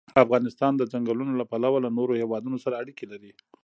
افغانستان د ځنګلونه له پلوه له نورو هېوادونو سره اړیکې لري.